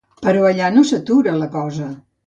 Però allà no s'atura la cosa.